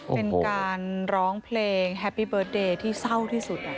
เป็นการร้องเพลงแฮปปี้เบิร์ตเดย์ที่เศร้าที่สุด